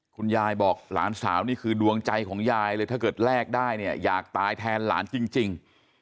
คุณยายบอกหลานสาวนี่คือดวงใจของยายเลยถ้าเกิดแลกได้เนี่ยอยากตายแทนหลานจริง